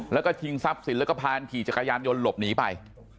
แล้วก็ชิงทรัพย์สินแล้วก็พาขี่จักรยานยนต์หลบหนีไป